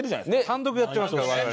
単独やってます我々。